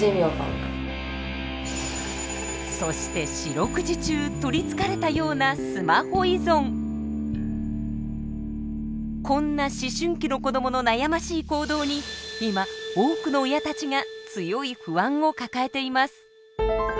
そして四六時中取りつかれたようなこんな思春期の子どもの悩ましい行動に今多くの親たちが強い不安を抱えています。